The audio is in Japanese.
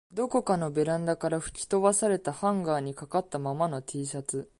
どこかのベランダから吹き飛ばされたハンガーに掛かったままの Ｔ シャツ